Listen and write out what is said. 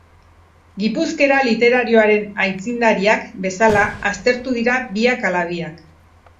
Gipuzkera literarioaren aitzindariak bezala aztertu dira biak ala biak.